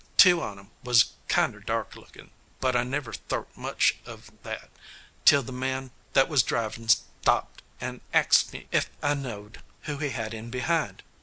Two on 'em was kinder dark lookin', but I never thort much of that till the man that was drivin' stopped and axed me ef I knowed who he had in behind.